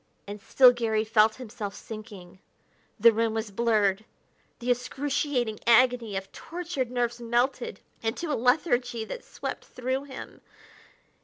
And still Garry felt himself sinking; the room was blurred; the excruciating agony of tortured nerves melted into a lethargy that swept through him.